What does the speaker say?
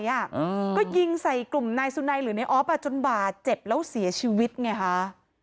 อืมก็ยิงใส่กลุ่มนายสุนัยหรือในออฟอ่ะจนบาดเจ็บแล้วเสียชีวิตไงคะ